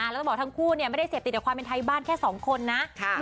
แล้วต้องบอกทั้งคู่เนี่ยไม่ได้เสียบติดกับความเป็นไทยบ้านแค่สองคนนะ